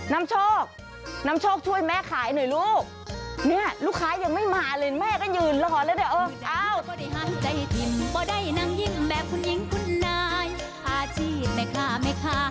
น้ำโชคน้ำโชคช่วยแม่ขายหน่อยลูกลูกค้ายังไม่มาเลยแม่ก็ยืนรอแล้ว